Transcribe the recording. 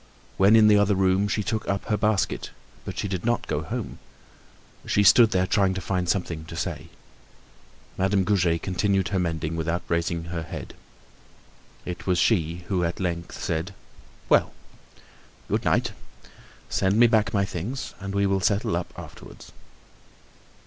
When in the other room she took up her basket; but she did not go home. She stood there trying to find something to say. Madame Goujet continued her mending without raising her head. It was she who at length said: "Well! Good night; send me back my things and we will settle up afterwards."